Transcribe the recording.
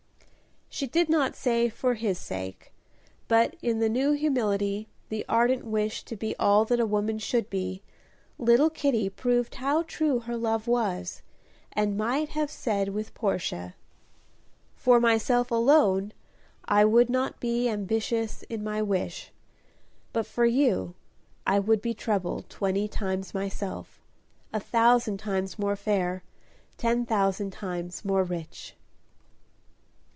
She did not say "for his sake," but in the new humility, the ardent wish to be all that a woman should be, little Kitty proved how true her love was, and might have said with Portia, "For myself alone, I would not be Ambitious in my wish; but, for you, I would be trebled twenty times myself; A thousand times more fair, Ten thousand times more rich."